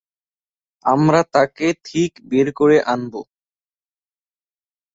আমরা তাকে ঠিক বের করে আনবো।